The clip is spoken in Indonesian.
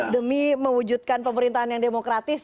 demi mewujudkan pemerintahan yang demokratis